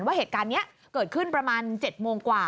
ว่าเหตุการณ์นี้เกิดขึ้นประมาณ๗โมงกว่า